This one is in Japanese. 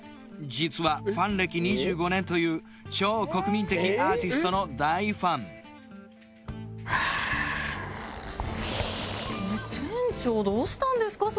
実はファン歴２５年という超国民的アーティストの大ファンあー店長どうしたんですか？